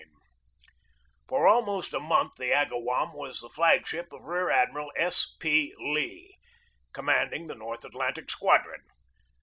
n8 GEORGE DEWEY For about a month the Agawam was the flag ship of Rear Admiral S. P. Lee, commanding the North Atlantic Squadron.